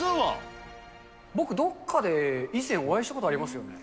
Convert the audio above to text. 僕、どっかで以前、お会いしたことありますよね？